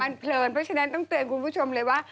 เพราะฉะนั้นต้องเตือนคุณผู้ชมเลยว่า